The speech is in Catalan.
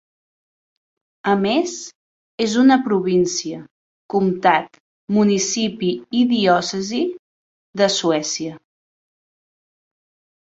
A més, és una província, comtat, municipi i diòcesi de Suècia.